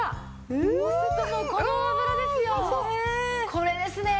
これですねえ。